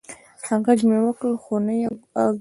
غږ مې وکړ خو نه یې اږري